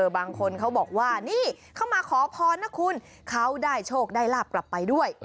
บางคนเขาบอกว่านี่เขามาขอพรนะคุณเขาได้โชคได้ลาบกลับไปด้วย